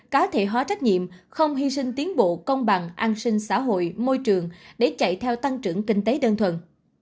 cá thể hóa trách nhiệm không hy sinh tiến bộ công bằng an sinh xã hội môi trường để chạy theo tăng trưởng kinh tế đơn thuần